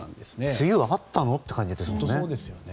梅雨、あったの？っていう感じですね。